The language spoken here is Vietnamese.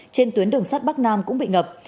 trên tuyến đường sắt bắc nam cũng bị ngập